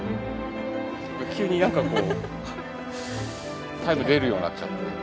急になんかこうタイム出るようになっちゃって。